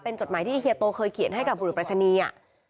จดหมายที่เฮียโตเคยเขียนให้กับบุรุษปรายศนีย์